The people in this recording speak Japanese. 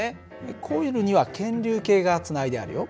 コイルには検流計がつないであるよ。